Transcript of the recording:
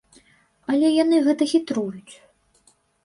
Але яны гэта хітруюць.